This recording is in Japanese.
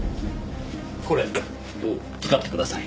これ使ってください。